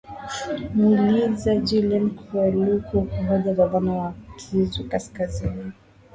muliza julian kaluku kahoja gavana wa kivu kaskazini